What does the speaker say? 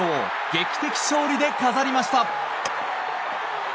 劇的勝利で飾りました。